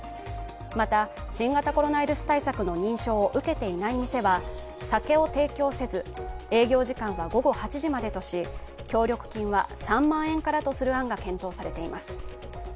また、新型コロナウイルス対策の認証を受けていない店は、酒を提供せず、営業時間は午後８時までとし、協力金は３万円からとする案を検討しています。